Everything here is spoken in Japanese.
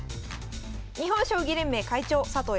日本将棋連盟会長佐藤